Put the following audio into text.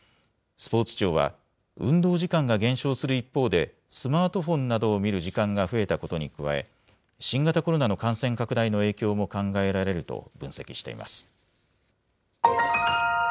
スポーツ庁は、運動時間が減少する一方で、スマートフォンなどを見る時間が増えたことに加え、新型コロナの感染拡大の影響も考えられると分析しています。